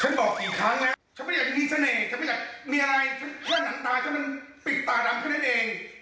ฉันเพื่อนหนังตาฉันมันปิดตาดำขึ้นได้เอง